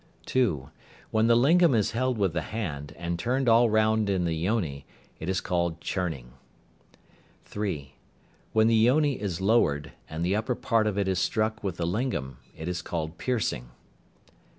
(2). When the lingam is held with the hand, and turned all round in the yoni, it is called "churning." (3). When the yoni is lowered, and the upper part of it is struck with the lingam, it is called "piercing."